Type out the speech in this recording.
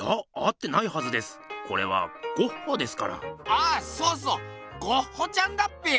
ああそうそうゴッホちゃんだっぺよ。